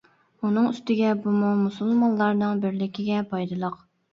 ئۇنىڭ ئۈستىگە بۇمۇ مۇسۇلمانلارنىڭ بىرلىكىگە پايدىلىق.